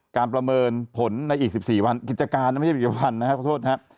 การประเมินผลในอีก๑๔วันกิจการไม่ใช่อีกวันนะครับ